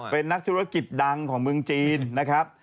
เป็นนักธุรกิจดังของเมืองจีนนะครับ